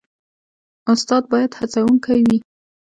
استاد باید هڅونکی وي